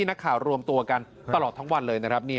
นักข่าวรวมตัวกันตลอดทั้งวัน